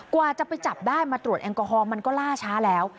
กว่าจะไปจับได้มาตรวจแอลกอฮอลมันก็ล่าช้าแล้ว